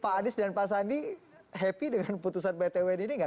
pak walis pak adis dan pak sandi happy dengan putusan pt un ini tidak